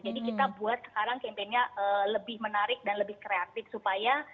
jadi kita buat sekarang campaign nya lebih menarik dan lebih kreatif supaya